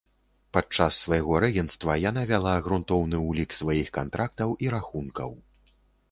Падчас свайго рэгенцтва яна вяла грунтоўны ўлік сваіх кантрактаў і рахункаў.